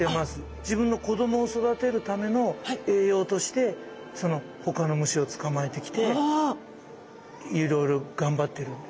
自分の子どもを育てるための栄養としてほかの虫を捕まえてきていろいろ頑張ってるんです。